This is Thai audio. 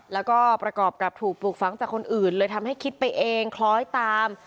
แล้วก็ประกอบกับถูกปลูกฝังจากคนอื่นเลยทำให้คิดไปเองคล้อยตาม